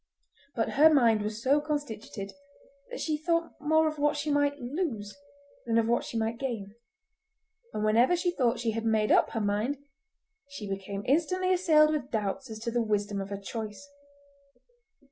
But her mind was so constituted that she thought more of what she might lose, than of what she might gain; and whenever she thought she had made up her mind she became instantly assailed with doubts as to the wisdom of her choice.